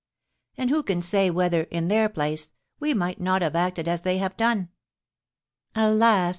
And who can say whether, in their place, we might not have acted as they have done?" "Alas!"